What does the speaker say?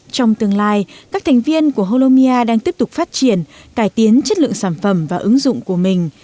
trong tương lai các thành viên của holomia đang tiếp tục phát triển cải tiến chất lượng sản phẩm và ứng dụng của mình